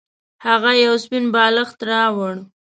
هغه یو سپین بالښت راوړ.